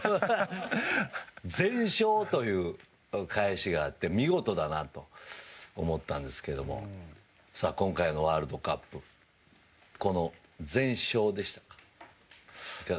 全笑という返しがあって見事だなと思ったんですけども今回のワールドカップこの全笑でしたか？